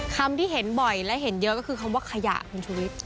คำที่เห็นบ่อยและเห็นเยอะก็คือคำว่าขยะคุณชุวิต